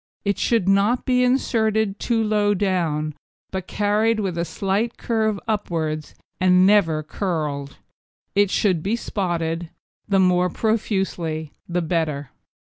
It should not be inserted too low down, but carried with a slight curve upwards, and never curled. It should be spotted, the more profusely the better.